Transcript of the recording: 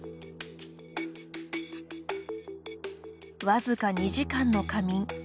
僅か２時間の仮眠。